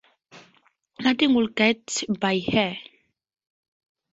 Nothing would get by her.